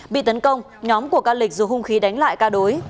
bị tấn công nhóm của ca lịch dùng hung khí đánh lại ca đối